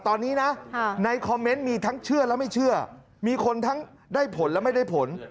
ตอนนี้นะในคอมเมนต์มีทั้งเชื่อและไม่เชื่อมีคนทั้งได้ผลและไม่ได้ผล